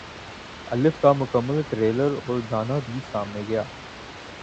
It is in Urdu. الف کا مکمل ٹریلر اور گانا بھی سامنے گیا